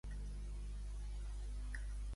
Segons explica Ruysch, qui va descobrir l'illa?